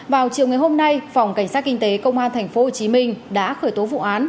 vào chiều ngày hôm nay phòng cảnh sát kinh tế công an tp hcm đã khởi tố vụ án